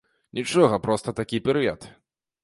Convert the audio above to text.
Нічога, проста такі перыяд.